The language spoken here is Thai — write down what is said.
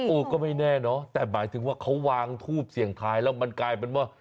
ก็ไม่แน่เนาะแต่หมายถึงว่าเขาวางทูบเสี่ยงท้ายแล้วมันกลายเป็นว่า